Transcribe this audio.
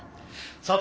佐藤